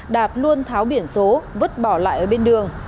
đạt luôn tháo biển số vứt bỏ lại ở bên đường